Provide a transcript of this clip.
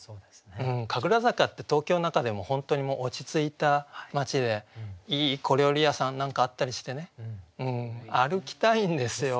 神楽坂って東京の中でも本当に落ち着いた町でいい小料理屋さんなんかあったりしてね歩きたいんですよ。